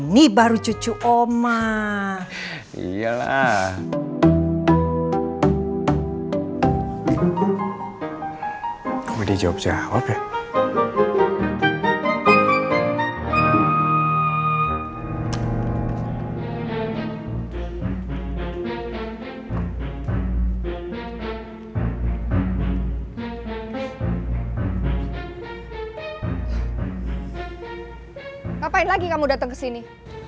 ngapain lagi kamu datang kesini